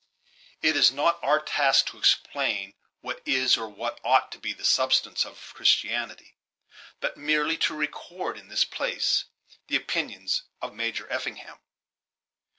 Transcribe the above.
It is not our task to explain what is or what ought to be the substance of Christianity, but merely to record in this place the opinions of Major Effingham.